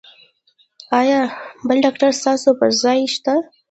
ایا بل ډاکټر ستاسو پر ځای شته؟